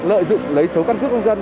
lợi dụng lấy số căn cước công dân